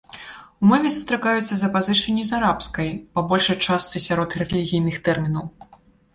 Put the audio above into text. У мове сустракаюцца запазычанні з арабскай, па большай частцы сярод рэлігійных тэрмінаў.